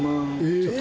ちょっと